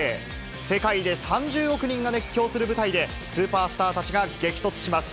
世界で３０億人が熱狂する舞台で、スーパースターたちが激突します。